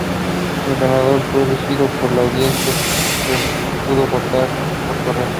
El ganador fue elegido por la audiencia, que pudo votar por correo.